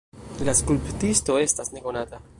La skulptisto estas nekonata.